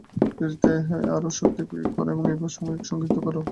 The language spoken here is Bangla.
যদি তাই হয়, তবে আরও শক্তি প্রয়োগ কর এবং এইভাবে সময় সংক্ষিপ্ত কর।